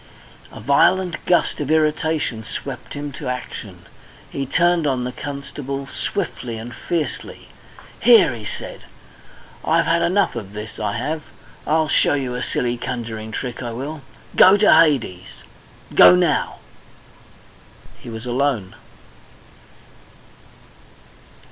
A violent gust of irritation swept him to action. He turned on the constable swiftly and fiercely. "Here," he said, "I've had enough of this, I have! I'll show you a silly conjuring trick, I will! Go to Hades! Go, now!" He was alone!